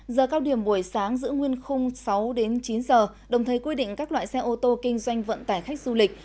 giờ cao điểm buổi sáng giữ nguyên khung sáu đến chín giờ đồng thời quy định các loại xe ô tô kinh doanh vận tải khách du lịch